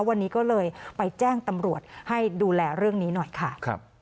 วันนี้ก็เลยไปแจ้งตำรวจให้ดูแลเรื่องนี้หน่อยค่ะ